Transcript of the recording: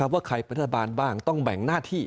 ว่าใครเป็นรัฐบาลบ้างต้องแบ่งหน้าที่